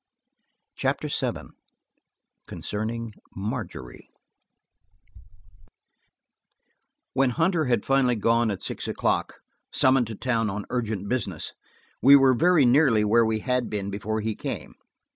CHAPTER VII CONCERNING MARGERY WHEN Hunter had finally gone at six o'clock, summoned to town on urgent business, we were very nearly where we had been before he came.